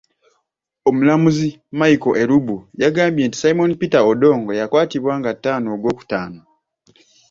Omulamuzi Michael Elubu yagambye nti Simon Peter Odongo eyakwatibwa nga taano ogw'okutaano.